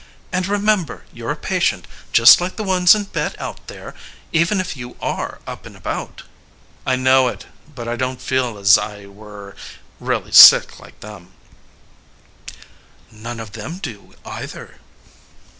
And remember you re a patient just like the ones in bed out there even if you are up and about. MURRAY. I know it. But I don t feel as I were really sick like them. MISS HOWARD (wisely). None of them do, either.